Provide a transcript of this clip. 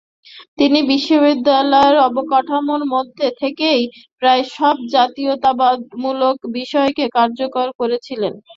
তিনি বিশ্ববিদ্যালয়ের অবকাঠামোর মধ্যে থেকেই প্রায় সব জাতীয়তাবাদমূলক বিষয়কে কার্যকর করেছিলেন।